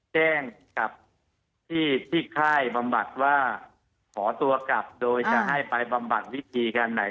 แจ้งกับที่ค่ายบำบัดว่าขอตัวกลับโดยจะให้ไปบำบัดวิธีการไหน